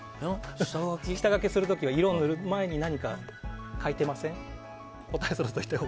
下描きするときは色を塗る前に何か描いてません？